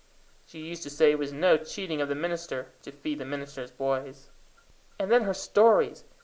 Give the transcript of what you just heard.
She used to say it was no cheating of the minister to feed the minister's boys. And then her stories!